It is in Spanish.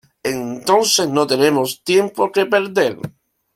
Entonces no tenemos tiempo que perder.